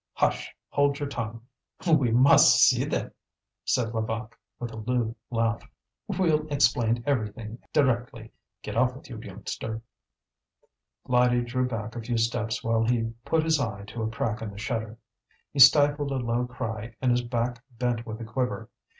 "Hush! hold your tongue! We must see them," said Levaque, with a lewd laugh. "We'll explain everything directly. Get off with you, youngster." Lydie drew back a few steps while he put his eye to a crack in the shutter. He stifled a low cry and his back bent with a quiver.